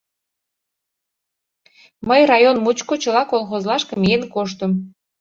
— Мый район мучко чыла колхозлашке миен коштым.